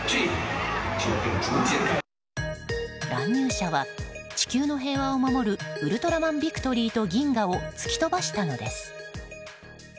乱入者は地球の平和を守るウルトラマンビクトリーとギンガを突き飛ばしたのです。